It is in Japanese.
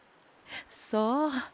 そう。